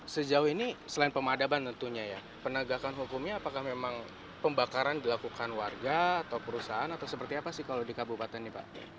sejauh ini selain pemadaban tentunya ya penegakan hukumnya apakah memang pembakaran dilakukan warga atau perusahaan atau seperti apa sih kalau di kabupaten ini pak